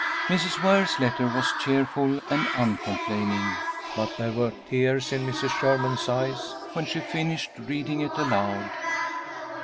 '" Mrs. Ware's letter was cheerful and uncomplaining, but there were tears in Mrs. Sherman's eyes when she finished reading it aloud.